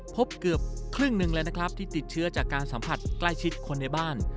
พบเกือบครึ่งหนึ่งเลยนะครับที่ติดเชื้อจากการสัมผัสใกล้ชิดคนในบ้าน